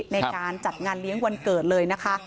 ในการจัดงานเลี้ยงวันเกิดเลยนะคะ